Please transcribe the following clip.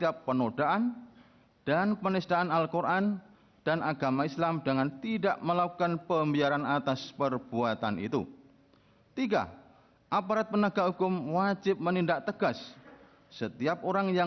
kepulauan seribu kepulauan seribu